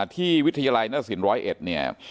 ที่วิทยาลัยณศิลป์๑๐๑เนี่ย